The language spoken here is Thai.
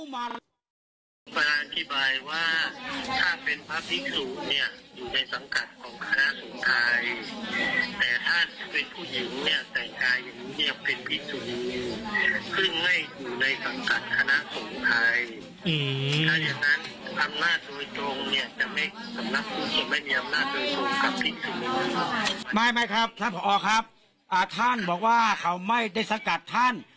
ไม่ครับท่านผอครับท่านบอกว่าเขาไม่ได้สกัดท่าน